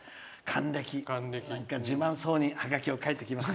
自慢そうにハガキを描いてきました。